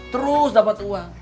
terus dapet uang